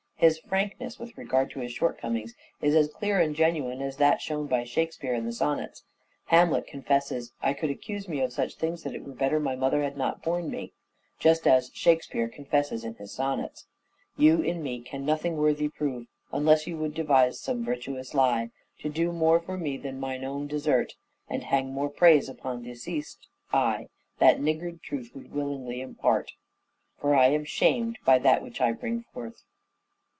His frankness with regard to his shortcomings is as clear and genuine as that shown by " Shakespeare " in the Sonnets. Hamlet confesses " I could accuse me of such things that it were better my mother had not borne me," just as " Shakespeare " confesses in his sonnets. 480 " SHAKESPEARE " IDENTIFIED "... you in me can nothing worthy prove, Unless you would devise some virtuous lie, To do more for me than mine own desert, And hang more praise upon deceased I That niggard truth would willingly impart. For I am shamed by that which I bring forth."